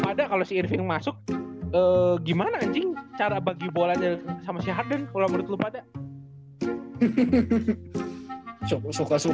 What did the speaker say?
ada kalau si irvin masuk gimana anjing cara bagi bolanya sama sehat ulama tuh pada suka suka